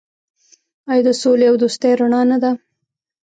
آیا د سولې او دوستۍ رڼا نه ده؟